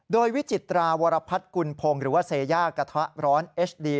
โดยวิจิตราวรพัฒน์กุลพงศ์หรือว่าเซย่ากระทะร้อนเอสดี